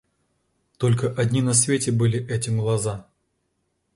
Только одни на свете были эти глаза.